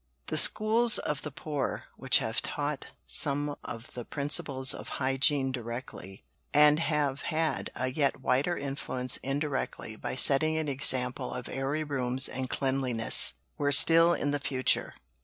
The schools of the poor, which have taught some of the principles of hygiene directly, and have had a yet wider influence indirectly by setting an example of airy rooms and cleanliness, were still in the future.